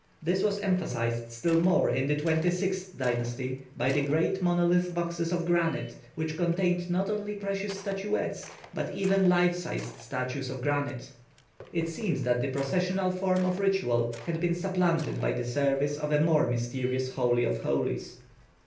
This was emphasised still more in the twenty sixth dynasty by the great monolith boxes of granite which contained not only precious statuettes, but even life sized statues of granite. It seems that the processional form of ritual had been supplanted by the service of a more mysterious Holy of Holies.